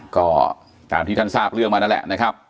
ก็ตามที่ท่านทราบเรื่องมานั่นแหละนะครับ